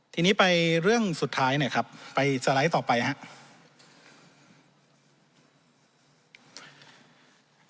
ทีนี้ไปเรื่องสุดท้ายเนี่ยครับไปสไลด์ต่อไปครับ